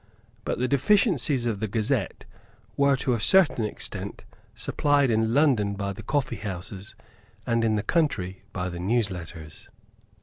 But the deficiencies of the Gazette were to a certain extent supplied in London by the coffeehouses, and in the country by the newsletters.